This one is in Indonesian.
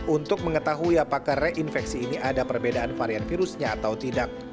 untuk mengetahui apakah reinfeksi ini ada perbedaan varian virusnya atau tidak